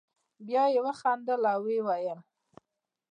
بیا یې وخندل او ویې ویل.